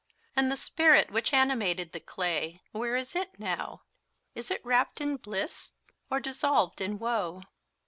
And the spirit which animated the clay, where is it now? Is it wrapt in bliss, or dissolved in woe?